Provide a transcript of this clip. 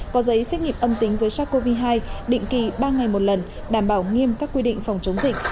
có giấy xét nghiệm âm tính với sars cov hai định kỳ ba ngày một lần đảm bảo nghiêm các quy định phòng chống dịch